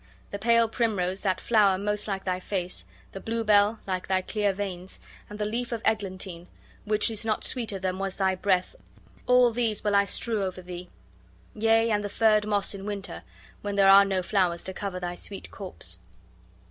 The pale primrose, that flower most like thy face; the bluebell, like thy clear veins; and the leaf of eglantine, which is not sweeter than was thy breath all these will I strew over thee. Yea, and the furred moss in winter, when there are no flowers to cover thy sweet corse."